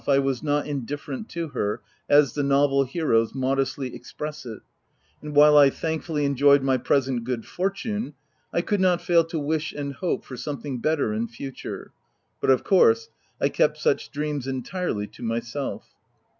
I was not indifferent to her,' as the novel heroes modestly express it, and while I thankfully enjoyed my present good fortune. I could not fail to wish and hope for something better in future ; but of course, I kept such dreams en tirely to myself.